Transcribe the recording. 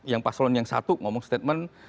yang pak solon yang satu ngomong statement